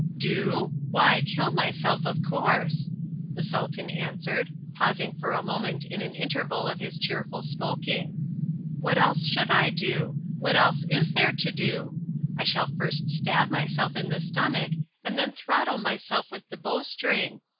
"Do? Why kill myself, of course," the Sultan answered, pausing for a moment in an interval of his cheerful smoking. "What else should I do? What else is there to do? I shall first stab myself in the stomach and then throttle myself with the bowstring.